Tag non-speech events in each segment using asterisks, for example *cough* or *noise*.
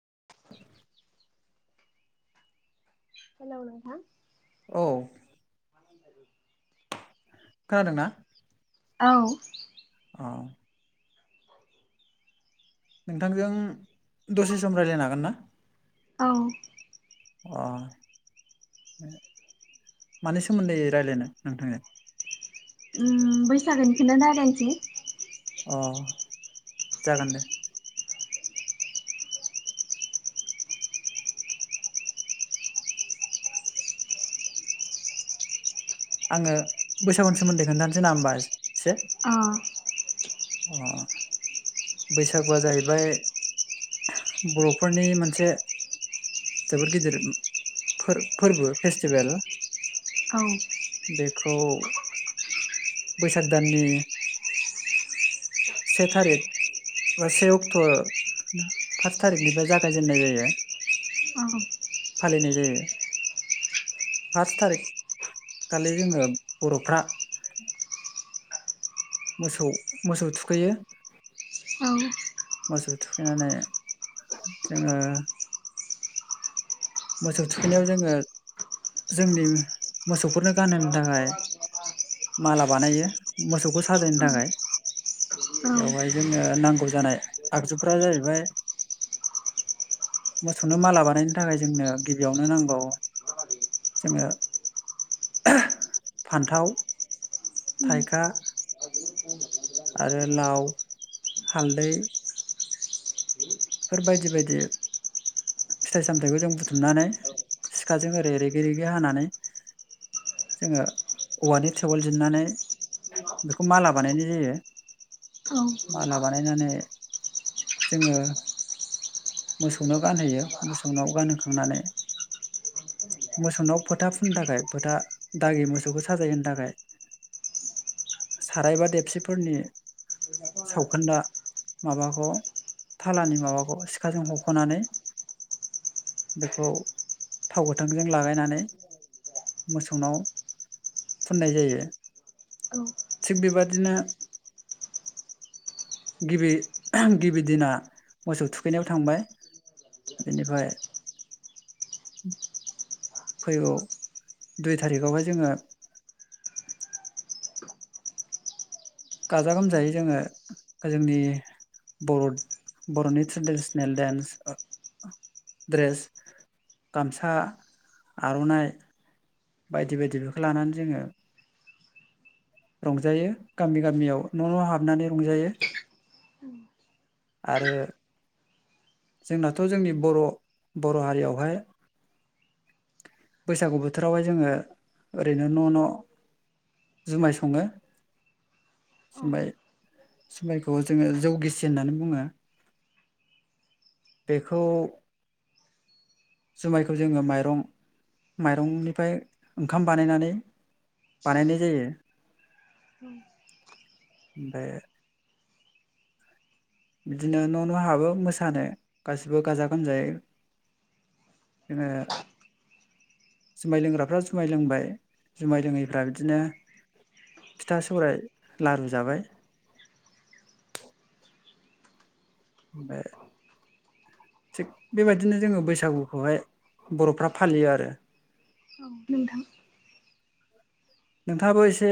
*inaudible* Hello नोंथां औ *inaudible* खोनादोंना औ अ नोंथांजों दसे सम रायज्लायनो हागोन ना औ अ मानि सोमोन्दै रायज्लायनो नोंथांनो बैसागोनिखौनो रायलायसै अ जागोन दे आङो बैसागुनि सोमोन्दै खोन्थानोसै ना होमबा एसे अ अ बैसागुआ जाहैबाय बर'फोरनि मोनसे जोबोद गिदिर फोर फोरबो फेस्टिभेल औ से अक्ट' फार्स थारिखनिफ्राय जागायजेननाय जायो औ फालिनाय जायो मोसौ मोसौ थुखैयो औ मोसौ थु मोसौ थुखैनायाव जोङो जोंनि औ जोंनो गिबियावनो नांगौ हालदै बेफोर बायदि बायदि फिथाइ सामथायाइखौ जों औ मोसौनो गानहोयो मोसौनाव गानहोखांनानै मोसौनाव फोथा फुननो थाखाय फोथा दागि मोसौखौ साजायहो थाखाय सारायबा देबसिफोरनि सावखोन्दा माबाखौ थालानि माबाखौ सिखाजों हख'नानै बेखौ थाव गोथांजों लागायनानै मोसौनाव फुननाय जायो थिग बेबादिनो गिबि गिबि दिना मोसौ थुखैनायाव थांबाय बेनिफ्राय गाजा गोमजायै जोङो जोंनि बर' बर'नि ट्रेडिसनेल दे बायदि बायदि बेखौ लानानै जोङो रंजायो गामि गामियाव न' न' हाबनानै रंजायो आरो जोंनाथ' जोंनि बर' औ सिबाय जुमायखौ जोङो जौगिसि होननानै बुङो बेखौ जुमायखौ जोङो माइरं माइरंनिफ्राय ओंखाम बा बानायनाय जायो ओम ओमफाय बिदिनो न' न' हाबो मोसानो गासिबो गाजा गोमजायै ओ जुमाय लोंग्राफ्रा जुमाय लोंबाय जुमाय लोङै फोरा बिदिनो फिथा सौराय लारु जाबाय। ओमफ्राय थिग बेबायदिनो जोङो बैसागुखौहाय बर'फ्रा फालियो आरो। औ नोंथां। नोंथाङाबो एसे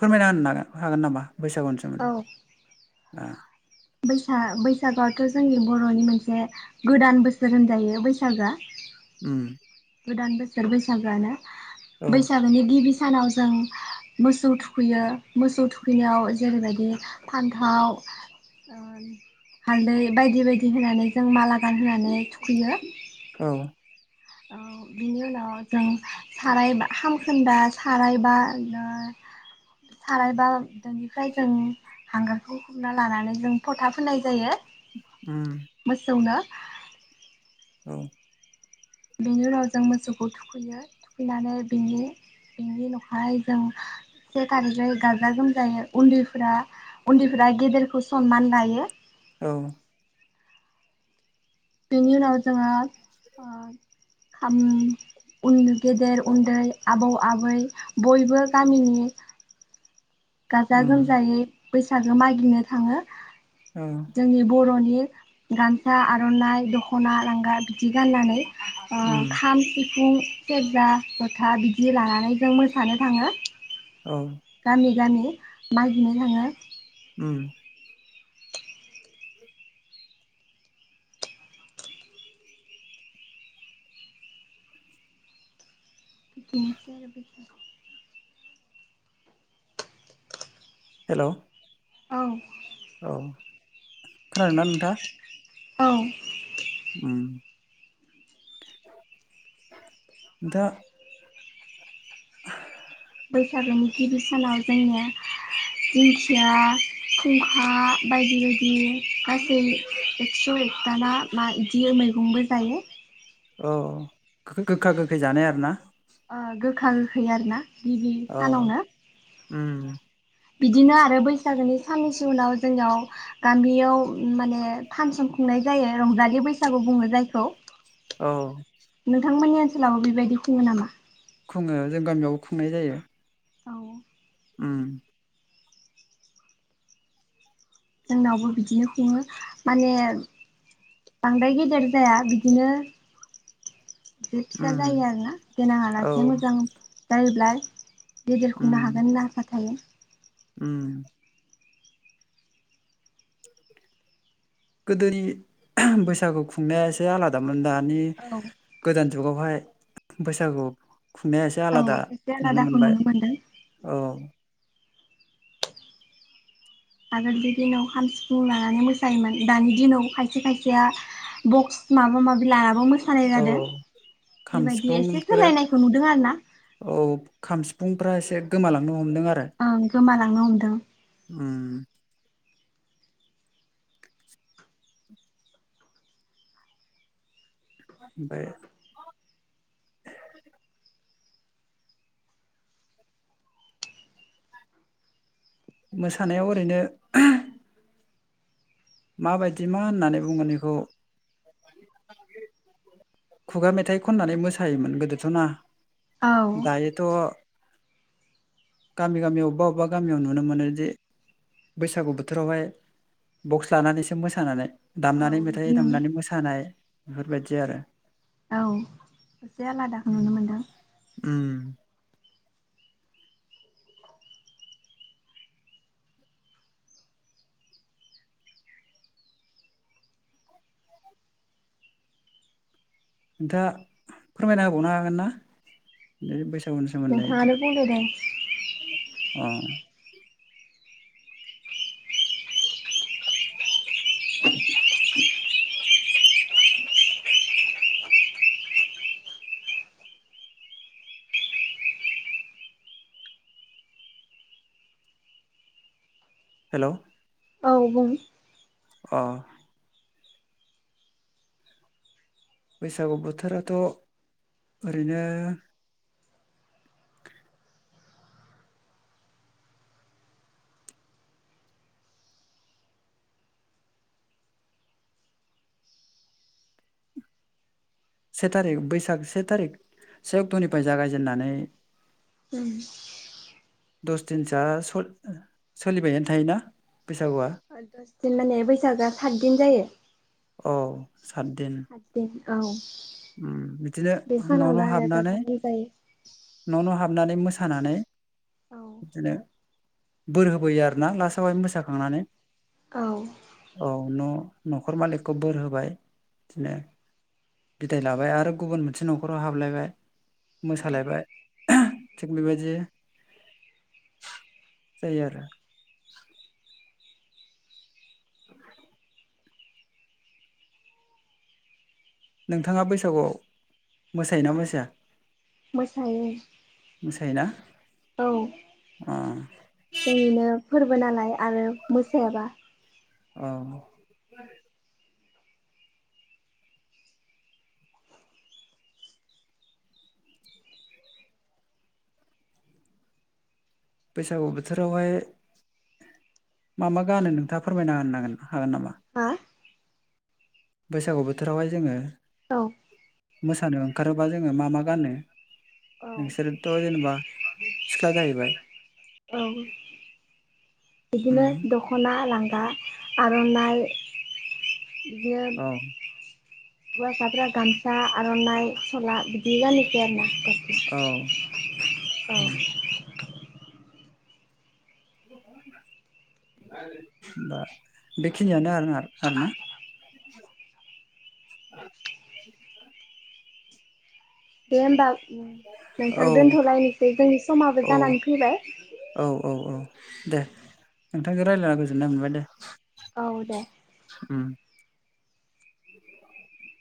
फोरमायना होनोन हागोन नामा? बैसागुनि औ सोमोनदै। ओ। बैसा बैसागोआवथ' जोंनि बर'नि मोनसे गोदान बोसोर होनजायो बैसागोआ। उम। गोदान बोसोर बैसागोआनो औ बैसागोनि गिबि सानाव जों मोसौ थुखैयो मोसौ थुखैनायाव जेरैबायदि फान्थाव ओ हालदै बायदि बायदि होनानै जों माला गानहोनानै थुखैयो। औ। अ जों साराय बा हामखोन्दा सारायबा सारायबा बेनिफ्राय जों हांगारखौ हबना लानानै जों फ'था फोननाय जायो। उम मोसौनो। औ। बेनि उनाव जों मोसौखौ थुखैयो थुखैनानै बिनि बिनि न'खाय जों सि थारिखै गाजा गोमजायो उन्दैफोरा उन्दैफोरा गेदेरखौ सनमान लायो। औ। बेनि उनाव जोङो ओ खाम उन गेदेर उन्दै आबौ आबै बयबो गामिनि गाजा उम गोमजायै बैसागो मागिनो थाङो। औ जोंनि बर'नि गामसा आर'नाइ दख'ना लांगा बिदि गाननानै। ओ उम खाम सिफुं सेरजा था बिदि लानानै जों मोसानो थाङो। औ। गामि गामि मागिनो थाङो। उम। बिदिनोसै आरो बेसा हेल' औ। औ खोनादोंना नोंथाङा? औ। उम। दा बैसागोनि गिबि सानाव जोंनिया दिंखिया खुंखा बायदि बायदि गासै एकस' एकथाना मा इदि मैगंबो जायो। औ गोखा गोखै जानाय आरोना। अ गोखा गोखै आरोना। गिबि औ सानावनो उम। बिदिनो आरो बै ओरैनो साननैसो उनाव जोंनियाव गामियाव माने फानसन खुंनाय जायो रंजालि बैसागु बुङो जायखौ। औ नोंथांमोननिया? सोरनावबा बिबायदि खुङो नामा? खुंङो जों गामियावबो खुंनाय जायो। औ। ओम। जोंनावबो बिदिनो खुंङो माने बांद्राय गेदेर जाया बिदिनो बि फिसा उम जायो आरोना गोनां औ आलासि मोजां जायोब्ला। गेदेरखौ मा हागोन होनना सानखायो। ओम। गोदोनि बैसागु खुंनाया एसे आलादामोन दा। नि औ गोदान जुगावहाय बैसागो। खुंनाया एसे औ आलादा एसे नुनो आलादाखौ मोनबाय। मोनदों औ। आगोलनि दिनाव खाम सिफुं लानानै मोसायोमोन दानि दिनाव खायसे खायसेया बक्स माबा माबि लाना मोसानाय औ जादो खाम बिबायदि एसे सिफुंफोर सोलायनायखौ नुदों आरोना। फुंफ्रा एसे गोमालांनो हम हमदों आरो। गोमालांनो हमदों। ओम। ओमफाय। मोसानायाव ओरैनो ओह माबायदि मा होननानै बुंगोन इखौ खुगा मेथाइ खननानै मोसायोमोन गोदोथ'ना? औ दायोथ' गामि गामि अबेबा अबेबा गामियाव नुनो मोनोजे बैसागु बोथोरावहाय बक्स लानानैसो मोसानानै औ दामनानै बिदि मेथाइ नुनो दामनानै मोसानाय बेफोरबायदि आरो। औ एसे आलादाखौ नुनो मोनदों। ओम। नोंथाङा फोरमायना होबावनो हागोन ना ओइ बैसाग सोमोन्दैथो नोंथाङानो बुंदो दे ओ। हेलौ। औ बुं। अह। बैसागु बोथोराथ' ओरैनो से थारिख बैसाग से थारिख से अक्ट'निफ्राय जागायजेननानै *inaudible* दस दिनसोआ सल-सोलिबायानो थायोना? बैसागुआ जोंगामिया बैसागोआ सात दिन जायो। अ सात दिन सातदिन औ उम बिदिनो बे न' सानावनो न' आरो हाबनानै गाजा गोमजायै न' न हाब नानै मोसानानै औ दिनो बोर होबोयो आरोना लास्टआवहाय मोसाखांनानै औ औ न' न'खर मालिखखौ बोर होबाय बिदिनो बिदाय लाबाय आरो गुबुन मोनसे न'खराव हाबलायबाय औ मोसालायबाय थिग बेबायदि जायो आरो नोंथाङा बैसागुवाव मोसायोना मोसाया? मोसायोना मोसायो औ अ जोंनिनो फोर नालाय आरो मोसायाबा औ बैसागु बोथोरावहाय मा मा गानो नोंथाङा फोरमायना होनो हागोन नामा? हा बैसागु बोथोरावहाय जोंङो औ मोसानो ओंखारोबा जोंङो मा मा गानो औ नोंसोरथ' जेनेबा सिख्ला जाहैबाय औ बिदिनो उम दखना लां गा आरो आर'ननाय बिदिनो औ होवासाफ्रा गामसा आर'नाइ सला बिदि गानोसै आरोना गस्ला औ औ बेखिनियानो आरोना आरोना दे होमबा नोंथां औ दोन्थ'लायनोसै जोंनि समाबो औ जानानै फैबाय औ औ औ दे नोंथांजों रायज्लायना गोजोननाय मोनबाय दे। औ दे उम। *inaudible*